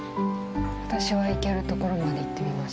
私は行けるところまで行ってみます。